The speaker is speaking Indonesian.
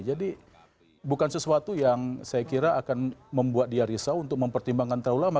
jadi bukan sesuatu yang saya kira akan membuat dia risau untuk mempertimbangkan terlalu lama